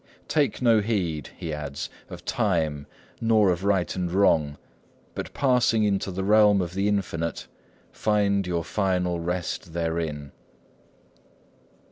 "Take no heed," he adds, "of time, nor of right and wrong; but passing into the realm of the Infinite, find your final rest therein."